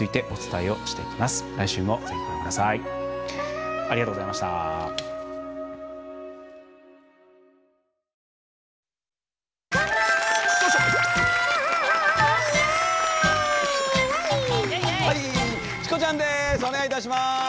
お願いいたします。